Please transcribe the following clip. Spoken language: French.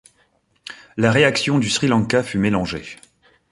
La réaction du Sri Lanka fut mélangée.